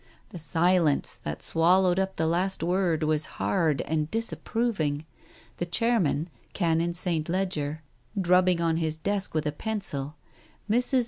The silence that swallowed up the last word was hard and disapproving. The Chairman, Canon St. Leger, drubbed on his desk with a pencil. ... Mrs.